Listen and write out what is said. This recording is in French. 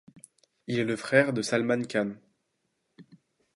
Il est le frère de Salman Khan.